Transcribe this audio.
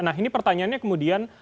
nah ini pertanyaannya kemudian